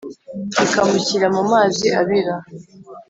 bikamushyira mu mazi abira.